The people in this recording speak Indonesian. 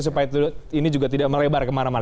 supaya ini juga tidak melebar kemana mana